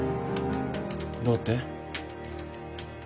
どうって？